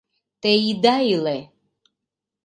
Те ида иле!